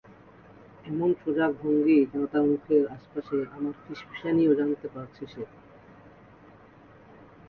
এমন সজাগ ভঙ্গি, যেন তার মুখের আশপাশে আমার ফিসফিসানিও জানতে পারছে সে।